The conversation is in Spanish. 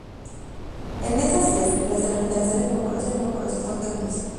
En esas instancias las denominaciones no corresponde a municipios.